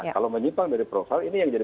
kalau menyimpang dari profil ini yang jadi